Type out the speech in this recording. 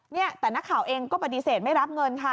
เนี่ยแต่นักข่าวเองก็ปฏิเสธไม่รับเงินค่ะ